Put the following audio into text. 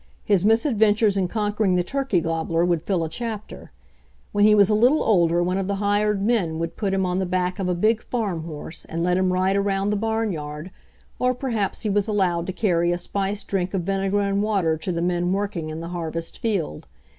His misadventures in conquering the turkey gob bler would fill a chapter. When he was a little older one of the hired men would put him on the back of a big farm horse and let him ride around the barnyard, or perhaps he was allowed to carry a spiced drink of vinegar and water to the men working in the harvest field.